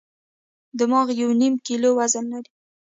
دماغ یو نیم کیلو وزن لري.